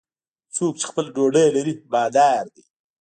څوک چې خپله ډوډۍ لري، بادار دی.